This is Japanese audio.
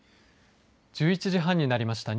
１１時半になりました。